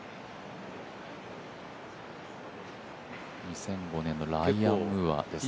２００５年のライアン・ムーアですね。